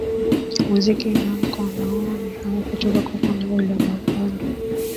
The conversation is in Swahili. muziki naam kwa maoni hayo kutoka kwa bwana william maghoha ndo